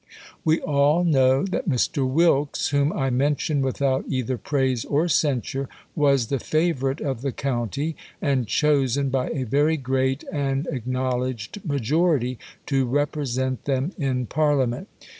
/ We all know that Mr. W'ilkes (who;n I mention without either praise or censure) was me favourite of the county, ana chosen, by a xcry great and acknowl edged majority, to represent them ii Parliament.